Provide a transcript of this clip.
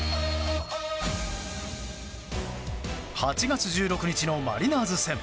８月１６日のマリナーズ戦。